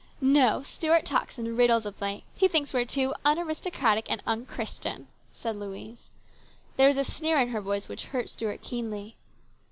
" No ; Stuart talks in riddles of late. He thinks we are too aristocratic and unchristian," said Louise. There was a sneer in her voice which hurt Stuart keenly.